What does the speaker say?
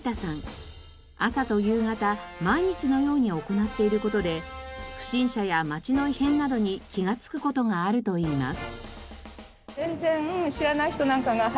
朝と夕方毎日のように行っている事で不審者や街の異変などに気がつく事があるといいます。